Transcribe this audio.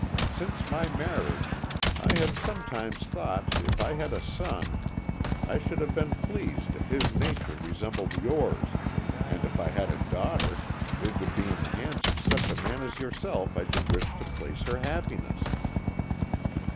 Since my marriage I have sometimes thought if I had a son I should have been pleased if his nature resembled yours, and if I had a daughter it would be in the hands of such a man as yourself I should wish to place her happiness."